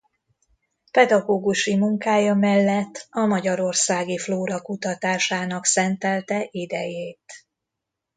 Pedagógusi munkája mellett a magyarországi flóra kutatásának szentelte idejét.